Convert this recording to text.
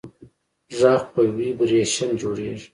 غږ په ویبرېشن جوړېږي.